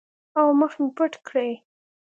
او مخ مې پټ کړي.